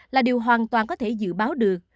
là điều hoàn toàn có thể dự báo được